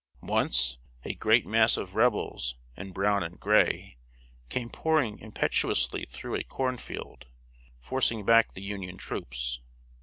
Once, a great mass of Rebels, in brown and gray, came pouring impetuously through a corn field, forcing back the Union troops.